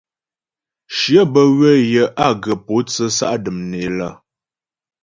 Shyə bə́ ywə̌ yə á ghə pǒtsə sa' dəm né lə.